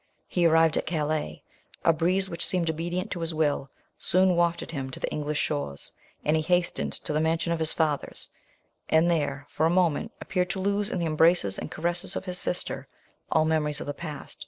He arrived at Calais; a breeze, which seemed obedient to his will, soon wafted him to the English shores; and he hastened to the mansion of his fathers, and there, for a moment, appeared to lose, in the embraces and caresses of his sister, all memory of the past.